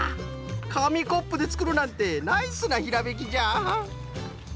かみコップでつくるなんてナイスなひらめきじゃ！